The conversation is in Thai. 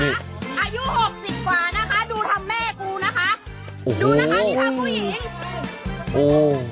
อายุ๖๐กว่านะคะดูทำแม่กูนะคะ